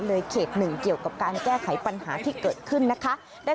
เขตหนึ่งเกี่ยวกับการแก้ไขปัญหาที่เกิดขึ้นนะคะ